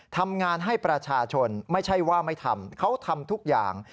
ทำงานให้ประชาชนไม่ใช่ว่าไม่ทำเขาทำทุกอย่าง